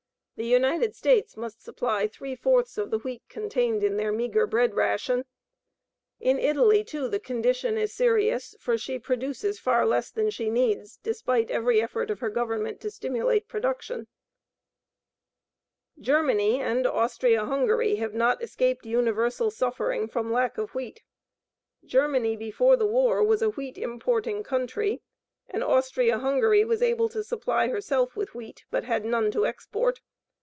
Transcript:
The United States must supply three fourths of the wheat contained in their meagre bread ration. In Italy, too, the condition is serious, for she produces far less than she needs, despite every effort of her Government to stimulate production. [Illustration: WHEAT FIELDS OF THE WORLD] Germany and Austria Hungary have not escaped universal suffering from lack of wheat. Germany before the war was a wheat importing country, and Austria Hungary was able to supply herself with wheat, but had none to export.